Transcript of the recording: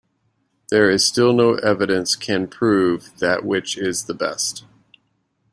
There is still no evidence can prove that which way is the best.